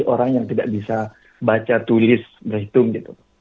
orang yang tidak bisa baca tulis berhitung gitu